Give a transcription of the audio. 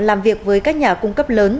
làm việc với các nhà cung cấp lớn